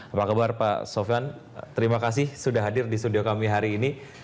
apa kabar pak sofyan terima kasih sudah hadir di studio kami hari ini